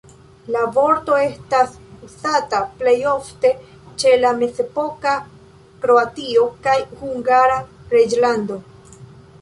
La vorto estas uzata plej ofte ĉe la mezepoka Kroatio kaj Hungara Reĝlando.